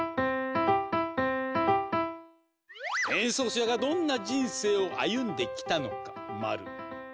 演奏者がどんな人生を歩んできたのかマル。